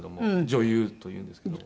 『女優』というんですけど。